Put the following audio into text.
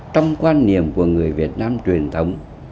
trong quan niệm của người việt nam truyền thống